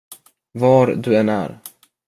Var du än är.